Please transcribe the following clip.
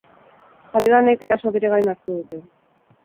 Talibanek erasoa bere gain hartu dute.